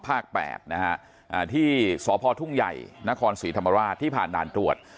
๘นะฮะที่สพทุ่งใหญ่นครศรีธรรมราชที่ผ่านด่านตรวจ